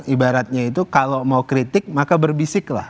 ibaratnya itu kalau mau kritik maka berbisik lah